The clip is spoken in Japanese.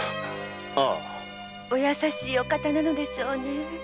お優しいお方なのでしょうね。